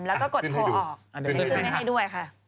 แล้วก็กดโทรออกขึ้นให้ด้วยค่ะ